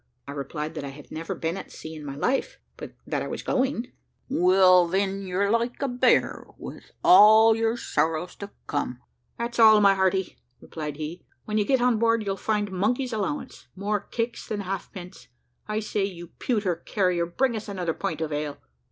I replied, that "I had never been at sea in my life, but that I was going." "Well then, you're like a young bear, all your sorrows to come that's all, my hearty," replied he. "When you get on board, you'll find monkey's allowance more kicks than half pence. I say, you pewter carrier, bring us another pint of ale."